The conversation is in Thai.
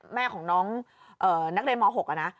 แม่ของน้องนักเรียนม๖นะ